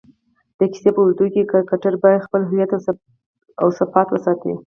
د کیسې په اوږدو کښي کرکټرباید خپل هویت اوصفات وساتي.